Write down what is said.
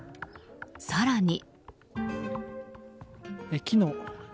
更に。